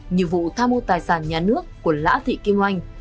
như vụ tham mô tài sản nhà nước của lã thị kim oanh